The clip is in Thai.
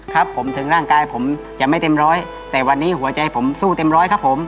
ครับผมถึงร่างกายผมจะไม่เต็มร้อยแต่วันนี้หัวใจผมสู้เต็มร้อยครับผม